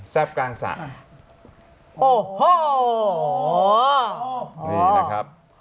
แซ่บกลางสะโอ้โหเง่นใช่ไหม